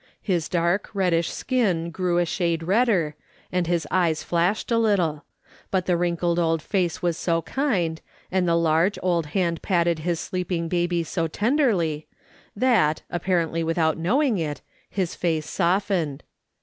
His dark, reddish skin grew a shade redder, and his eyes flashed a little ; but the wrinkled old face was so kind, and the large old hand patted his sleeping baby so tenderly, that, apparently without knowing it, his face softened.